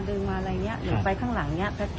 ครั้งแรก๒ครั้งนะคะ